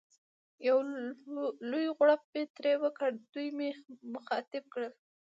یو لوی غړپ مې ترې وکړ، دوی مې مخاطب کړل.